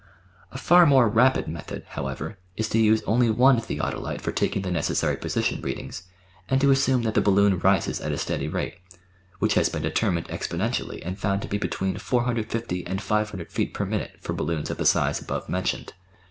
A far more rapid method, however, is to use only one theodolite for taking the necessary position readings, and to assume that the balloon rises at a steady rate, which has been determined experi mentally and found to be between 450 and 500 feet per minute for balloons of the size above mentioned.